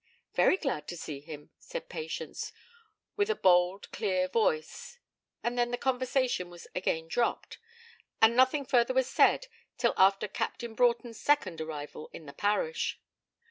'Very glad to see him,' said Patience, with a bold clear voice; and then the conversation was again dropped, and nothing further was said till after Captain Broughton's second arrival in the parish.